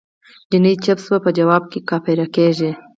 جینی چپ شه په جواب کافره کیږی